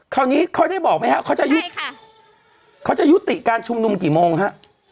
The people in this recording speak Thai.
คราวนี้เขาได้บอกไหมฮะเขาจะยุติการชุมนุมกี่โมงฮะ